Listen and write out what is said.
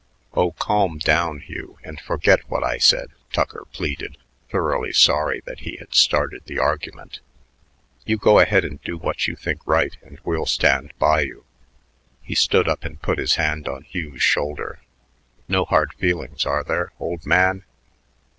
"Oh, calm down, Hugh, and forget what I said," Tucker pleaded, thoroughly sorry that he had started the argument. "You go ahead and do what you think right and we'll stand by you." He stood up and put his hand on Hugh's shoulder. "No hard feelings, are there, old man?"